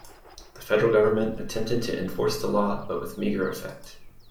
The federal government attempted to enforce the law, but with meager effect.